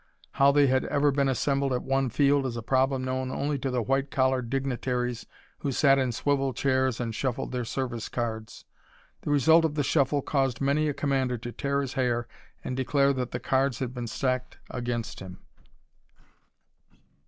How they had ever been assembled at one field is a problem known only to the white collared dignitaries who sat in swivel chairs and shuffled their service cards. The result of the shuffle caused many a commander to tear his hair and declare that the cards had been stacked against him.